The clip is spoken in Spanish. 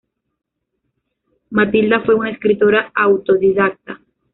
Matilda fue una escritora autodidacta.